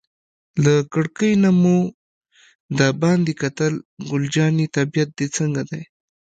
له کړکۍ نه مو دباندې کتل، ګل جانې طبیعت دې څنګه دی؟